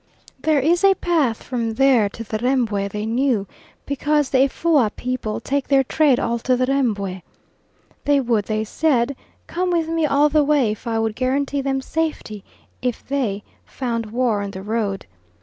There is a path from there to the Rembwe they knew, because the Efoua people take their trade all to the Rembwe. They would, they said, come with me all the way if I would guarantee them safety if they "found war" on the road.